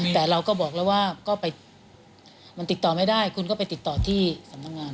แต่เราก็บอกแล้วว่าก็ไปมันติดต่อไม่ได้คุณก็ไปติดต่อที่สำนักงาน